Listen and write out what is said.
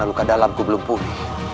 karena luka dalamku belum pulih